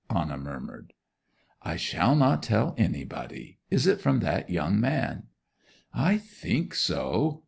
Anna murmured. 'I shall not tell anybody. Is it from that young man?' 'I think so.